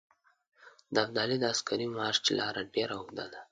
د ابدالي د عسکري مارچ لاره ډېره اوږده ده.